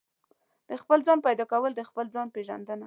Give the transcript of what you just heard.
د خپل ځان پيدا کول د خپل ځان پېژندنه ده.